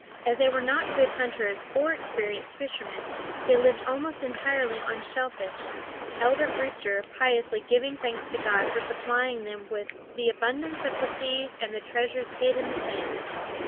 As they were not good hunters or experienced fishermen, they lived almost entirely on shellfish, Elder Brewster piously giving thanks to God for supplying them with "the abundance of the seas and the treasures hid in the sand."